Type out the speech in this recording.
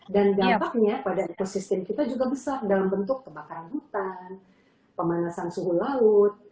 dan dampaknya pada ekosistem kita juga besar dalam bentuk kebakaran hutan pemanasan suhu laut